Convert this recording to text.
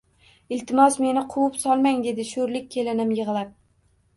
Iltimos, meni quvib solmang, dedi sho`rlik kelinim yig`lab